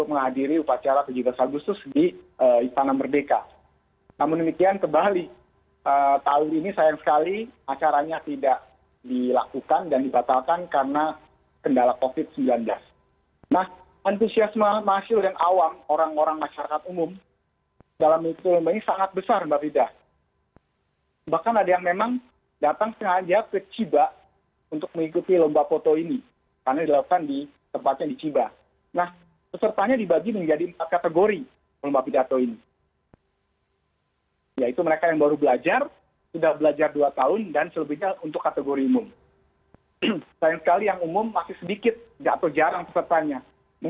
kegiatan yang langsung antara universitas yang tidak membutuhkan bantuan dari kbri gitu